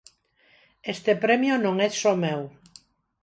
Este premio non é só meu...